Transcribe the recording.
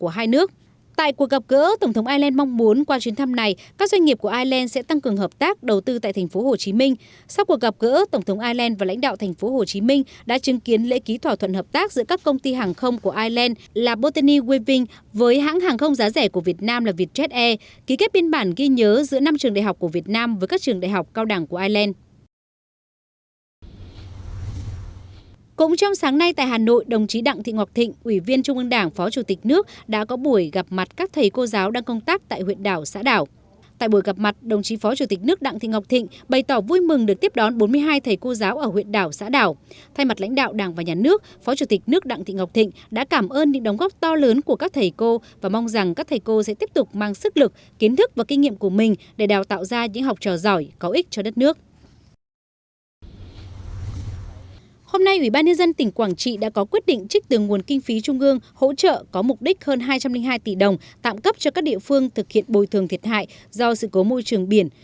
hôm nay ủy ban nhân dân tỉnh quảng trị đã có quyết định trích từ nguồn kinh phí trung ương hỗ trợ có mục đích hơn hai trăm linh hai tỷ đồng tạm cấp cho các địa phương thực hiện bồi thường thiệt hại do sự cố môi trường biển